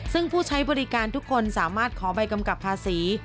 ซึ่งผู้ใช้บริการทุกคนสามารถขอใบกำกับภาษี